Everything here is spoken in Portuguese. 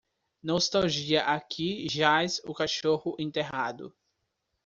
nostalgia Aqui jaz o cachorro enterrado